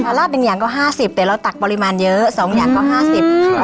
หลักหนึ่งอย่างก็ห้าสิบแต่เราตักปริมาณเยอะสองอย่างก็ห้าสิบค่ะ